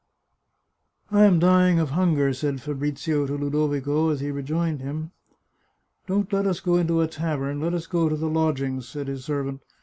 " I am dying of hunger," said Fabrizio to Ludovico as he rejoined him. " Don't let us go into a tavern ; let us go to the lodg ings," said his servant.